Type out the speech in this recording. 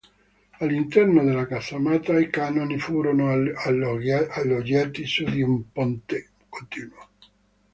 All'interno della casamatta, i cannoni furono alloggiati su di un ponte continuo.